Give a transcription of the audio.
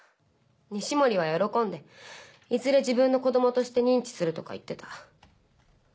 西森は喜んでいずれ自分の子供として認知するとか言ってた。